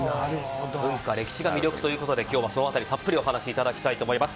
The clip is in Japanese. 文化、歴史が魅力ということでその辺りたっぷりお話伺いたいと思います。